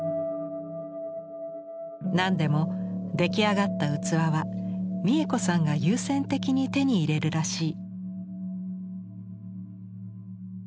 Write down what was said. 何でも出来上がった器は三枝子さんが優先的に手に入れるらしい。